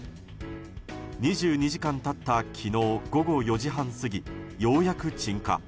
２２時間経った昨日午後４時半過ぎ、ようやく鎮火。